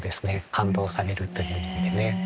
勘当されるという意味でね。